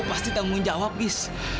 aku pasti tanggung jawab gis